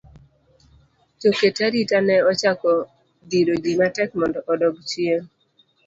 Jo ket arita ne ochako dhiro ji matek mondo odog chien.